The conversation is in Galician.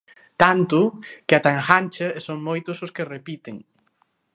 Tanto, que ata engancha e son moitos os que repiten.